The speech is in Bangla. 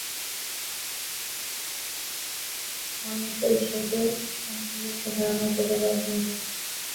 অনন্ত ঈশ্বরকে সান্তরূপেই ধারণা ও পূজা করা সম্ভব।